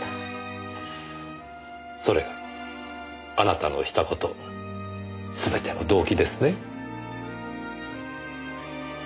それがあなたのした事すべての動機ですね？